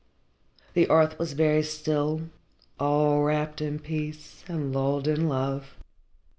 The earth was very still, all wrapped in peace and lulled in love.